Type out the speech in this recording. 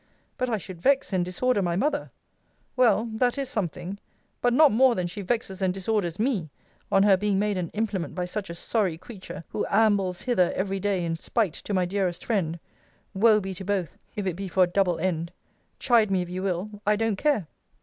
But I should vex and disorder my mother! Well, that is something: but not more than she vexes and disorders me, on her being made an implement by such a sorry creature, who ambles hither every day in spite to my dearest friend Woe be to both, if it be for a double end! Chide me, if you will: I don't care.